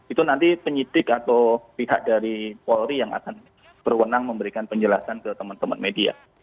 itu nanti penyidik atau pihak dari polri yang akan berwenang memberikan penjelasan ke teman teman media